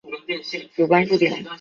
主关注点。